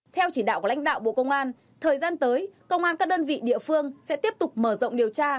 theo chỉ đạo của lãnh đạo bộ công an thời gian tới công an các đơn vị địa phương sẽ tiếp tục mở rộng điều tra